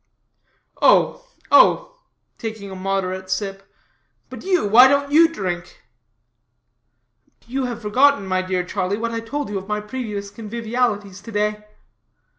"Oh, oh," taking a moderate sip, "but you, why don't you drink?" "You have forgotten, my dear Charlie, what I told you of my previous convivialities to day."